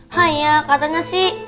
hah iya katanya sih